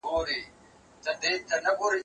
کېدای سي قلم خراب وي؟